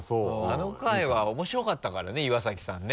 あの回は面白かったからね岩崎さんね。